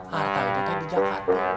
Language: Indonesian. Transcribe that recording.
harta itu kan di jakarta